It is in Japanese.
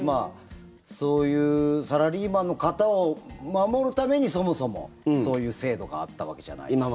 そういうサラリーマンの方を守るためにそもそも、そういう制度があったわけじゃないですか。